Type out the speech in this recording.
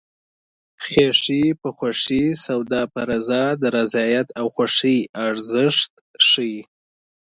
خیښي په خوښي سودا په رضا د رضایت او خوښۍ ارزښت ښيي